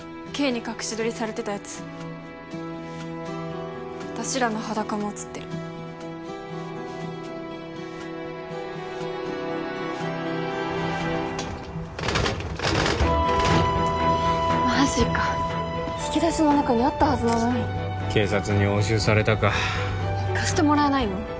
Ｋに隠し撮りされてたやつ私らの裸も写ってるはあマジか引き出しの中にあったはずなのに警察に押収されたか貸してもらえないの？